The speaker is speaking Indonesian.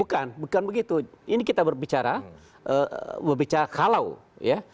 bukan bukan begitu ini kita berbicara kalau ya